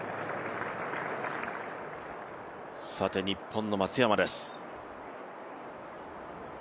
日本の松山です。